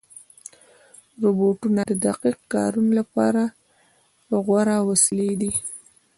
روبوټونه د دقیق کارونو لپاره غوره وسیلې دي.